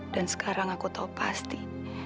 dan sekarang aku tau pasti